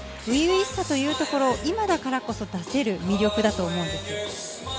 初々しさというところ、今だからこそ出せる魅力だと思うんです。